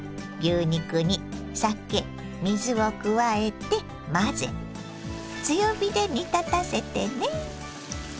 牛肉に酒水を加えて混ぜ強火で煮立たせてね。